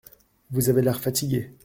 Vous avez l’air fatigué.